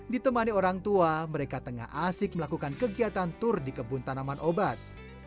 ditemani orang tua mereka tengah asik melakukan kegiatan tur di kebun tanaman obat